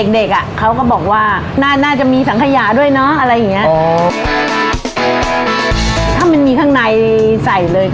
เด็กอะเค้าก็บอกว่าน่าจะมีสังเกี้ยด้วยเนาะอะไรอย่างนี้